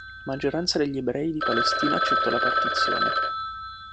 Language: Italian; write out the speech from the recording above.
La maggioranza degli ebrei di Palestina accettò la partizione.